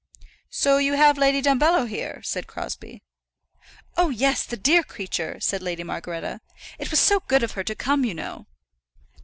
"So you have Lady Dumbello here?" said Crosbie. "Oh, yes; the dear creature!" said Lady Margaretta. "It was so good of her to come, you know."